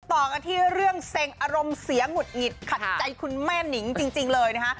ต่อกันที่เรื่องเซ็งอารมณ์เสียหงุดหงิดขัดใจคุณแม่นิงจริงเลยนะคะ